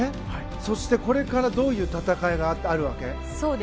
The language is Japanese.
そして、これからどういう戦いがあるわけ？